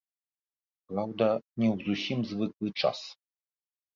Праўда, не ў зусім звыклы час.